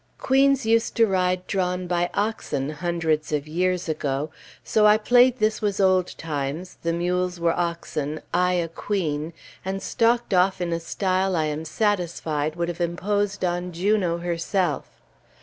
Queens used to ride drawn by oxen hundreds of years ago, so I played this was old times, the mules were oxen, I a queen, and stalked off in a style I am satisfied would have imposed on Juno herself.